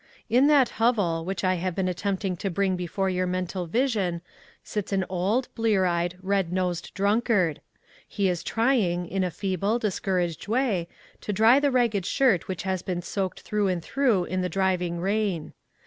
In that hovel, which I have been attempt ing to bring before your mental vision, sits an old, blear eyed, red nosed drunkard. He is trying, in a feeble, discouraged way, to dry the ragged shirt which has been soaked through and through in the driving rain.